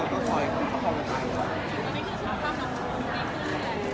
ก็ช่วยเข้าแห้งไทย